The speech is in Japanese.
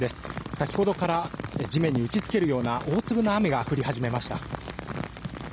先ほどから地面に打ち付けるような大粒の雨が降り始めました。